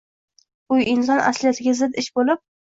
– bu inson asliyatiga zid ish bo‘lib